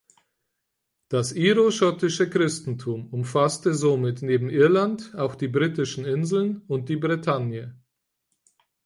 Das iroschottische Christentum umfasste somit neben Irland auch die britischen Inseln und die Bretagne.